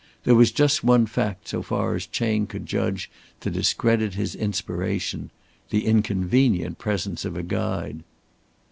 There was just one fact so far as Chayne could judge to discredit his inspiration the inconvenient presence of a guide.